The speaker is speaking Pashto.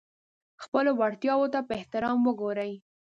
خپلو وړتیاوو ته په احترام وګورئ.